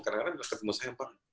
karena ketemu saya bang